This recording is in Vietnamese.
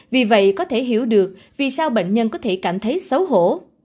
vì vậy có thể hiểu được vì sao bệnh nhân có thể cảm thấy xấu hổ